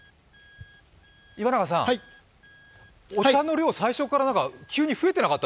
お茶の量、最初から急に増えてなかった？